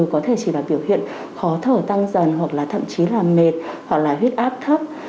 có thể chỉ là biểu hiện khó thở tăng dần hoặc là thậm chí là mệt hoặc là huyết áp thấp